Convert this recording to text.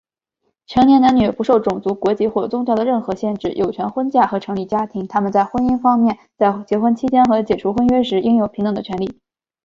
成年男女,不受种族、国籍或宗教的任何限制有权婚嫁和成立家庭。他们在婚姻方面,在结婚期间和在解除婚约时,应有平等的权利。